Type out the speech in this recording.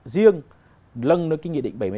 riêng lân lên cái nghị định bảy mươi tám